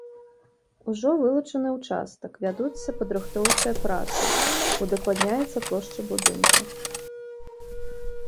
Ужо вылучаны ўчастак, вядуцца падрыхтоўчыя працы, удакладняецца плошча будынка.